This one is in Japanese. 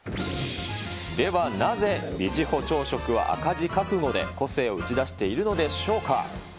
ではなぜ、ビジホ朝食は赤字覚悟で個性を打ち出しているのでしょうか。